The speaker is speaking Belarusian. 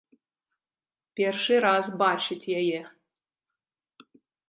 Першы раз бачыць яе!